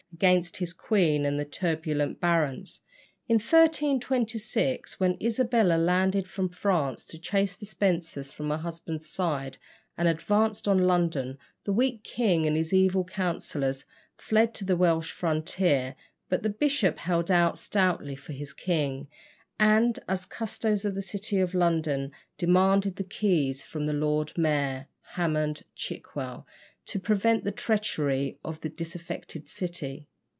against his queen and the turbulent barons. In 1326, when Isabella landed from France to chase the Spensers from her husband's side, and advanced on London, the weak king and his evil counsellors fled to the Welsh frontier; but the bishop held out stoutly for his king, and, as custos of the City of London, demanded the keys from the Lord Mayor, Hammond Chickwell, to prevent the treachery of the disaffected city.